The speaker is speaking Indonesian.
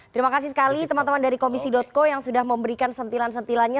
terima kasih sekali teman teman dari komisi co yang sudah memberikan sentilan sentilannya